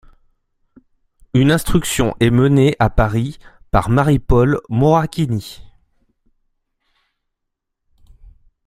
Une instruction est menée à Paris par Marie-Paule Moracchini.